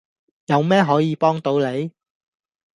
有咩可以幫到你?